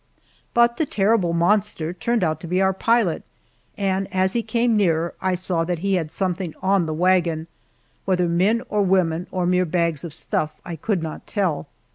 But the terrible monster turned out to be our pilot, and as he came nearer, I saw that he had something on the wagon whether men or women or mere bags of stuff I could not tell.